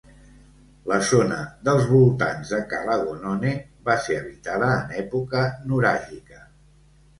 La zona dels voltants de Cala Gonone va ser habitada en època nuràgica.